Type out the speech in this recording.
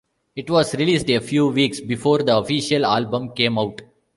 It was released a few weeks before the official album came out.